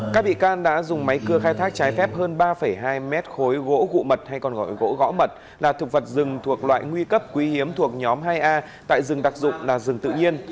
các bị can đã dùng máy cưa khai thác trái phép hơn ba hai mét khối gỗ gụ mật hay còn gọi gỗ gõ mật là thực vật rừng thuộc loại nguy cấp quý hiếm thuộc nhóm hai a tại rừng đặc dụng là rừng tự nhiên